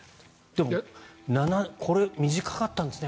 でも、短かったんですね